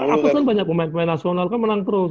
aku kan banyak pemain pemain nasional kan menang terus